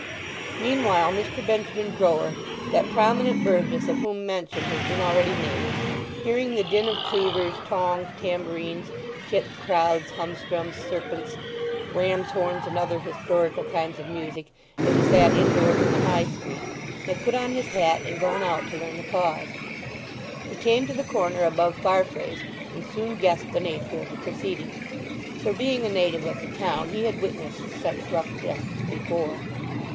Meanwhile Mr. Benjamin Grower, that prominent burgess of whom mention has been already made, hearing the din of cleavers, tongs, tambourines, kits, crouds, humstrums, serpents, rams' horns, and other historical kinds of music as he sat indoors in the High Street, had put on his hat and gone out to learn the cause. He came to the corner above Farfrae's, and soon guessed the nature of the proceedings; for being a native of the town he had witnessed such rough jests before.